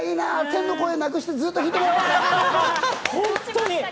天の声なくして、ずっと聴いてたいな！